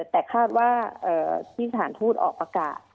แต่คาดว่าที่สถานทูตออกประกาศ